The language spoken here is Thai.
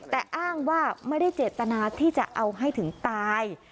แต่อ้างว่าไม่ได้เจตนาที่จะเอาให้ถึงตาย